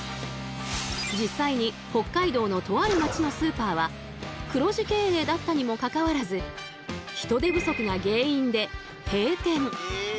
実際に北海道のとある町のスーパーは黒字経営だったにもかかわらず人手不足が原因で閉店。